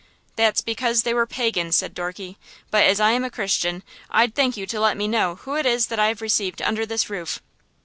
"That's because they were pagans!" said Dorky. "But as I am a Christian, I'd thank you to let me know who it is that I have received under this roof."